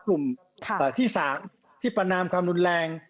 กลุ่มที่๓ที่ประนามความรุนแรง